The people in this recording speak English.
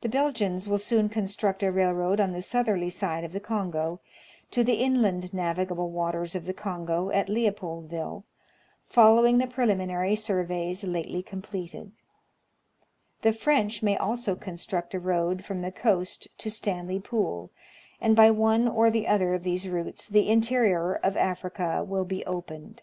The Belgians will soon construct a railroad on the southerly side of the Kongo, to the inland navigable waters of the Kongo at Leopoldville, following the preliminary surveys lately com pleted; the French may also construct a road from the coast to 118 National Geographic Magazine. Stanley Pool; and by one or the other of these routes the inte rior of Africa will be opened.